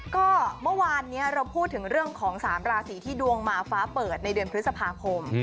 ก็เมื่อวานนี้เราพูดถึงเรื่องของ๓ราศีที่ดวงมาฟ้าเปิดในเดือนพฤษภาคม